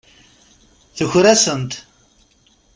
Tuker-asent.